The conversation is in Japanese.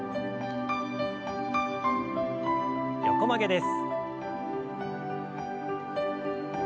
横曲げです。